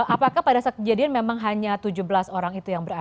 apakah pada saat kejadian memang hanya tujuh belas orang itu yang berada